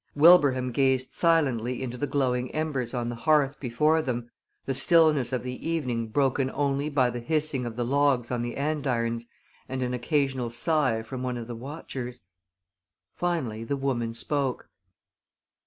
Wilbraham gazed silently into the glowing embers on the hearth before them, the stillness of the evening broken only by the hissing of the logs on the andirons and an occasional sigh from one of the watchers. Finally the woman spoke.